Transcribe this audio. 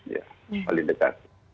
ya paling dekat